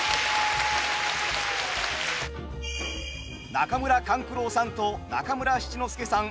中村勘九郎さんと中村七之助さん